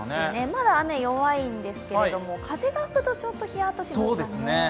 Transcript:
まだ雨、弱いんですけれども、風が吹くとちょっとひやっとしますね。